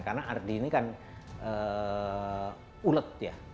karena ardi ini kan ulet ya